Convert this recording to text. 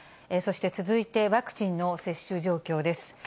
そして続いて、ワクチンの接種状況です。